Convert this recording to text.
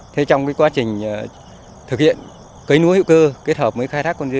thế trong quá trình thực hiện cây núa hữu cơ kết hợp với khai thác con dươi